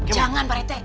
jangan pak rete